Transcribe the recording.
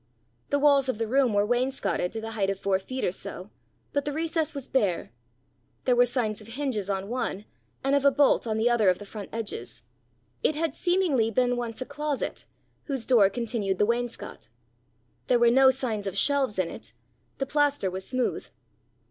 The walls of the room were wainscotted to the height of four feet or so, but the recess was bare. There were signs of hinges on one, and of a bolt on the other of the front edges: it had seemingly been once a closet, whose door continued the wainscot. There were no signs of shelves in it; the plaster was smooth.